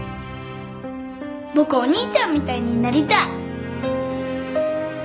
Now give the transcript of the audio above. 僕お兄ちゃんみたいになりたい。